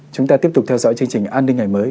chúng ta tiếp tục theo dõi chương trình an ninh ngày mới